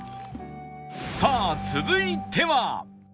さあ続いては